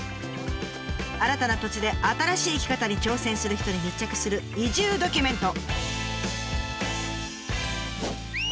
新たな土地で新しい生き方に挑戦する人に密着する移住ドキュメント。